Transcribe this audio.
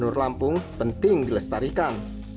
dan penurut lampung penting dilestarikan